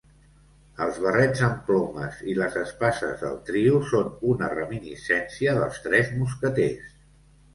Els barrets amb plomes i les espases del trio són una reminiscència dels tres mosqueters.